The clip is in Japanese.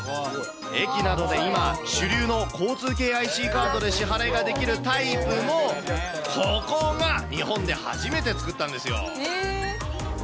駅などで今、主流の交通系ＩＣカードで支払いができるタイプも、ここが日本で初めて作ったんですよ。